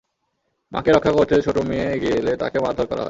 মাকে রক্ষা করতে ছোট মেয়ে এগিয়ে এলে তাকেও মারধর করা হয়।